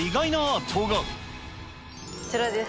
こちらです。